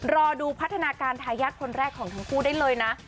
รอดูพัฒนาการทายาทคนแรกของทั้งคู่ได้เลยนะ